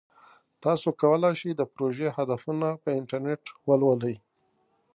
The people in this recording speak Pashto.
تاسو کولی شئ د پروژې هدفونه په انټرنیټ ولولئ.